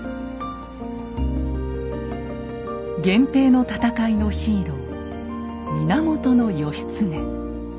源平の戦いのヒーロー源義経。